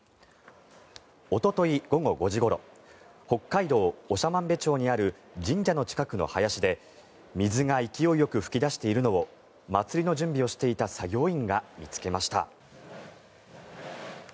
おととい午後５時ごろ北海道長万部町にある神社の近くの林で水が勢いよく噴き出しているのを祭りの準備をしていた作業員が見つけました。